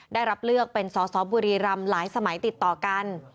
ได้รับเลือกเป็นสอสอบุรีรำหลายสมัยติดต่อกัน